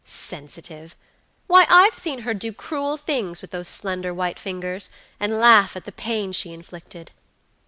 Sensitive! Why, I've seen her do cruel things with those slender white fingers, and laugh at the pain she inflicted.